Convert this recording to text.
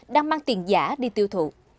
đang mang tiền giả đi tiêu thụ